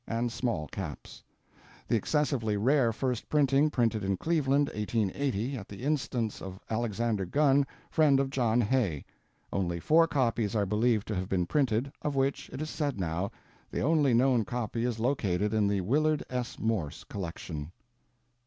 and small caps. The excessively rare first printing, printed in Cleveland, 1880, at the instance of Alexander Gunn, friend of John Hay. Only four copies are believed to have been printed, of which, it is said now, the only known copy is located in the Willard S. Morse collection.